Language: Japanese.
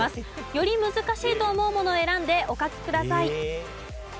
より難しいと思うものを選んでお書きください。